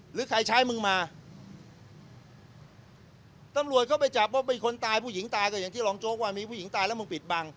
หรือใครใช้มึงมาตำรวจเข้าไปจับว่ามีคนตายผู้หญิงตายก็อย่างที่รองโจ๊กว่ามีผู้หญิงตายแล้วมึงปิดบัง